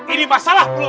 ini masalah belum selesai